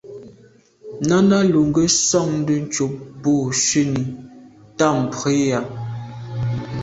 Náná lù gə́ sɔ̀ŋdə̀ ncúp bû shúnì tâm prǐyà.